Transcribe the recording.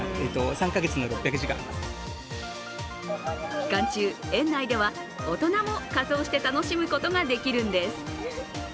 期間中、園内では大人も仮装して楽しむことができるんです。